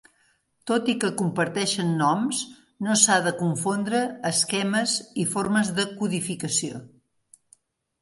Tot i que comparteixen noms, no s'ha de confondre esquemes i formes de codificació.